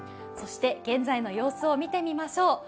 そして現在の様子を見てみましょう。